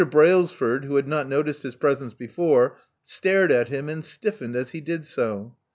Brailsford, who had not noticed his presence before, stared at him, and stiffened as he did so.